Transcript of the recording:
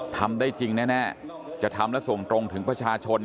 ทำได้จริงแน่จะทำและส่งตรงถึงประชาชน